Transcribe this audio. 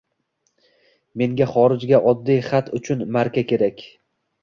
Menga xorijga oddiy xat uchun marka kerak.